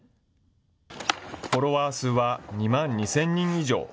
フォロワー数は２万２０００人以上。